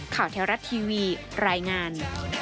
แถวรัฐทีวีรายงาน